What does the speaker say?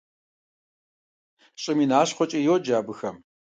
«ЩӀым и нащхъуэхэкӀэ» йоджэ абыхэм.